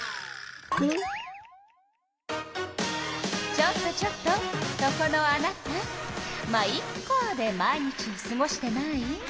ちょっとちょっとそこのあなた「ま、イッカ」で毎日をすごしてない？